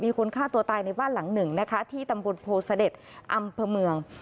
มีคนฆ่าตัวตายในว่านหลังหนึ่งนะคะที่ตำบลโพธิ์เสด็จอัมพเมือง